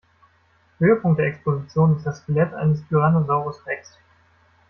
Höhepunkt der Exposition ist das Skelett eines Tyrannosaurus Rex.